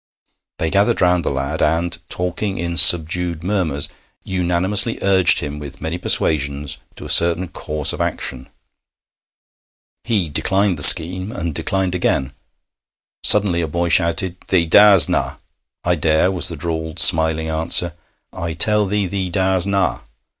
They gathered round the lad, and, talking in subdued murmurs, unanimously urged him with many persuasions to a certain course of action. He declined the scheme, and declined again. Suddenly a boy shouted: 'Thee dars' na'!' 'I dare,' was the drawled, smiling answer. 'I tell thee thee dars' na'!'